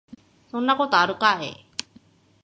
そんなことあるかい